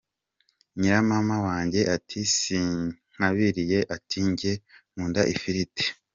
nyiramama wanjye ati sinkabirye, ati " Njye nkunda ifiriti".